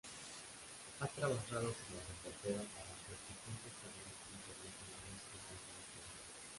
Ha trabajado como reportera para prestigiosas cadenas internacionales como Univisión.